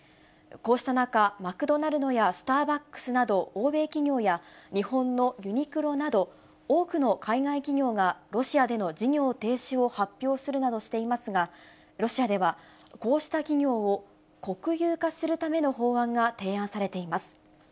こうした中、マクドナルドやスターバックスなど、欧米企業や、日本のユニクロなど、多くの海外企業がロシアでの事業停止を発表するなどしていますが、ロシアでは、こうした企業を国有化するための法案が提案されています。